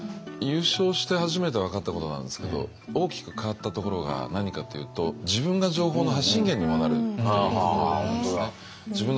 優勝して初めて分かったことなんですけど大きく変わったところが何かというと自分が情報の発信源にもなるということなんですね。